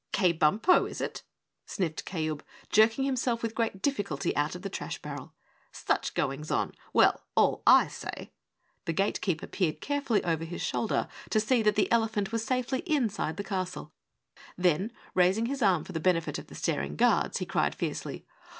"Kaybumpo, is it?" sniffed Kayub, jerking himself with great difficulty out of the trash barrel. "Such goings on. Well, all I say " The Gatekeeper peered carefully over his shoulder to see that the elephant was safely inside the castle, then, raising his arm for the benefit of the staring guards, he cried fiercely.